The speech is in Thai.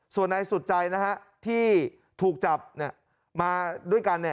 สวนนายสุดใจนะครับที่ถูกจับด้วยกัน